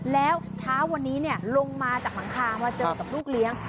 แล้วเช้าวันนี้ลงมาจากหลังคามาเจอกับลูกเลี้ยง